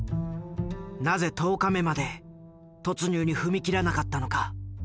なぜ１０日目まで突入に踏み切らなかったのか。